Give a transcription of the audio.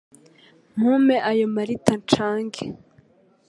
mu mpe ayo marita ncange